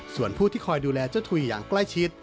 ส่วนผู้ที่คอยดูแลเจ้าถุยอย่างใกล้ชิด